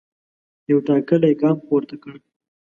یو ټاکلی ګام پورته کړ.